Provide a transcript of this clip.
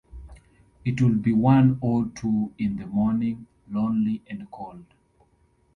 It would be one or two in the morning, lonely and cold.